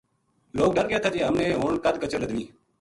لوک ڈر گیا تھا جے ہم نے ہن کد کچر لَدنی